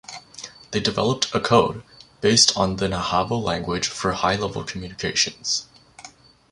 They developed a code based on the Navajo language for high-level communications.